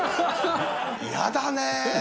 やだね。